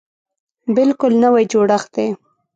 بلکل نوی جوړښت دی.